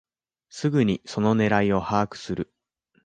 すぐにその狙いを把握する